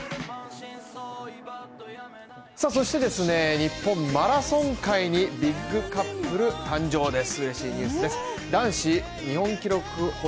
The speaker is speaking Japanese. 日本マラソン界にビッグカップル誕生です